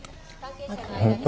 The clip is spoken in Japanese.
本当？